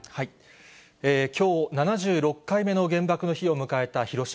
きょう７６回目の原爆の日を迎えた広島。